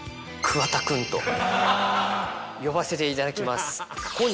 「と呼ばせていただきます」。